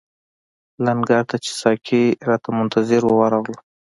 لنګر ته چې ساقي راته منتظر وو ورغلو.